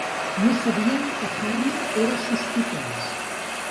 No sabien que Harry era sospitós.